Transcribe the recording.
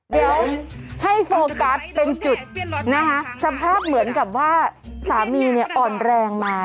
เดี๋ยวให้โฟกัสเป็นจุดนะคะสภาพเหมือนกับว่าสามีเนี่ยอ่อนแรงมา